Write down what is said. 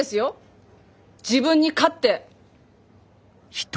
自分に勝って。